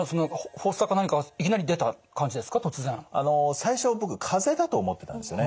最初は僕かぜだと思ってたんですよね。